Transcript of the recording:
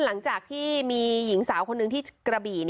หลังจากที่มีหญิงสาวคนหนึ่งที่กระบี่